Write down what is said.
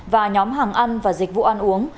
và nhóm hàng ăn và dịch vụ ăn uống